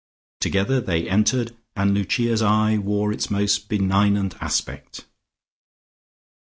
Together they entered and Lucia's eye wore its most benignant aspect.